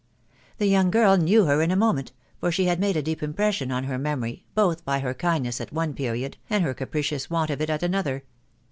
The young girl knew her in a moment, for she had made a deep impression on her memory, both by her kindness at one period, and her capricious want of it at another.